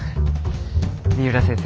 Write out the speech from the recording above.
三浦先生